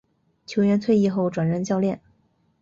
球员退役后转任教练。